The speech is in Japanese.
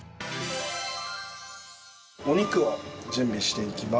お肉を準備していきます。